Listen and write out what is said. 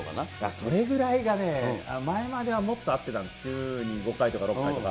それぐらいがね、前まではもっと会ってたんです、週に５回とか６回とか。